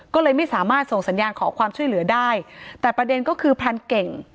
ก็เลยไม่สามารถส่งสัญญาณขอความช่วยเหลือได้แต่ประเด็นก็คือพรานเก่ง